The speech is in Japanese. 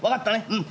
うん。